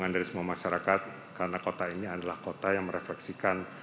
dari semua masyarakat karena kota ini adalah kota yang merefleksikan